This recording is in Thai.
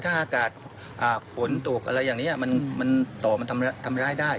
ถ้าอากาศฝนตกอะไรอย่างนี้มันต่อมันทำร้ายได้